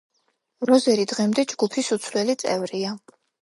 როზერი დღემდე ჯგუფის უცვლელი წევრია.